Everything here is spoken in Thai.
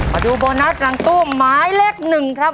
มาดูโบนัสหลังตู้หมายเลข๑ครับ